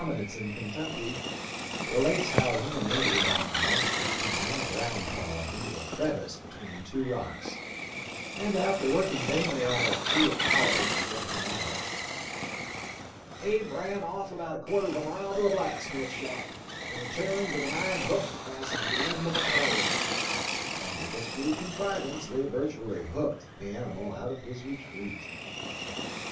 nence in Kentucky, relates how he and Abe on one occasion ran a ground hog into a crevice be tween two rocks, and after working vainly almost two hours to get him out, "Abe ran off about a quarter of a mile to a blacksmith shop, and returned with an iron hook fastened to the end of a pole," and with this rude contrivance they virtually "hooked "the animal out of his retreat.